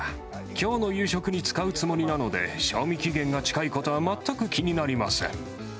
きょうの夕食に使うつもりなので、賞味期限が近いことは全く気になりません。